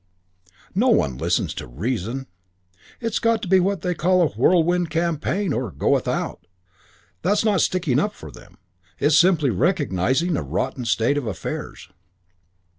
No one listens to reason. It's got to be what they call a whirlwind campaign or go without. That's not sticking up for them. It's simply recognising a rotten state of affairs."